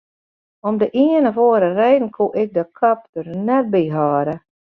Om de ien of oare reden koe ik de kop der net by hâlde.